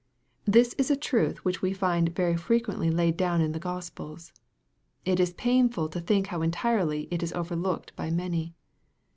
This is a truth which we find very frequently laid down in the Gospels. It is painful to think how entirely it is overlooked by many.